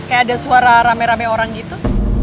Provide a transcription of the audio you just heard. kayak ada suara rame rame orang gitu